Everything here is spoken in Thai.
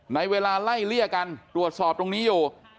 ในเวลาไล่เลี่ยกันตรวจสอบตรงนี้อยู่